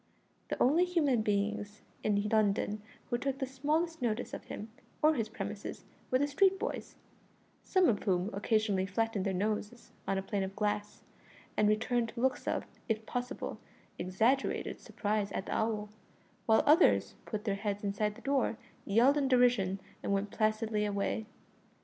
The only human beings in London who took the smallest notice of him or his premises were the street boys, some of whom occasionally flattened their noses on a pane of glass, and returned looks of, if possible, exaggerated surprise at the owl, while others put their heads inside the door, yelled in derision, and went placidly away.